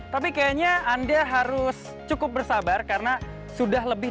tapi kayaknya anda harus cukup bersabar karena sudah lebih